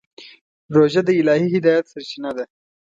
روژه د الهي هدایت سرچینه ده.